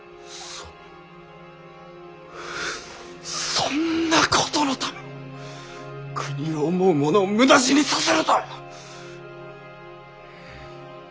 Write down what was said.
そんなことのために国を思う者を無駄死にさせるとは。